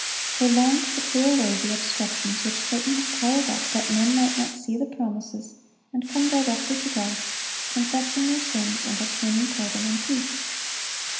They longed to clear away the obstructions which Satan had piled up that men might not see the promises, and come directly to God, confessing their sins, and obtaining pardon and peace.